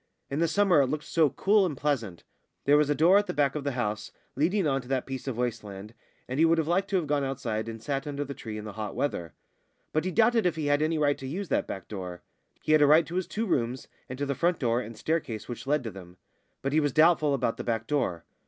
In the summer it looked so cool and pleasant. There was a door at the back of the house, leading on to that piece of waste land, and he would have liked to have gone outside and sat under the tree in the hot weather. But he doubted if he had any right to use that back door. He had a right to his two rooms and to the front door and staircase which led to them; but he was doubtful about the back door.